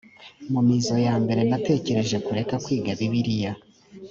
mu mizo ya mbere natekereje kureka kwiga bibiliya